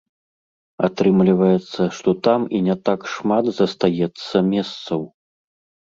Атрымліваецца, што там і не так шмат застаецца месцаў.